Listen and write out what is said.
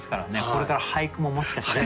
これから俳句ももしかしたら。